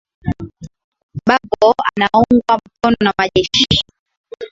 bagbo anaungwa mkono na majeshi